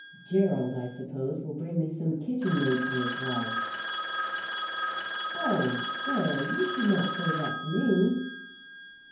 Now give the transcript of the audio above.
Gerald, I suppose, will bring me some kitchen maid for his wife." "Oh, sir, you should not say that to me."